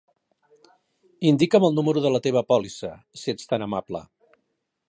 Indica'm el número de la teva pòlissa, si ets tan amable.